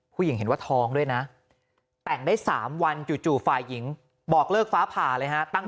เห็นว่าท้องด้วยนะแต่งได้๓วันจู่ฝ่ายหญิงบอกเลิกฟ้าผ่าเลยฮะ